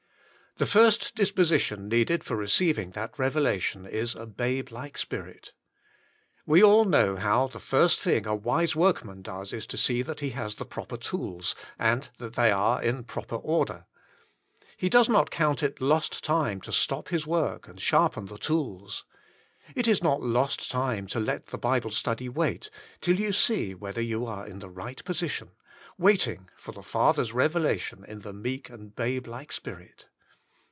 The first disposition needed for receiving that revelation is a babe like spirit. "We all know how the first thing a wise workman does is to see that he has the proper tools, and that they are in proper order. He does not count it lost time to stop his work and sharpen the tools. It is not lost time to let the Bible study wait, till you see whether you are in the right position — waiting for the Father's revelation in the meek and babe like spirit.